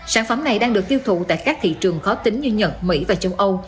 sản phẩm này đang được tiêu thụ tại các thị trường khó tính như nhật mỹ và châu âu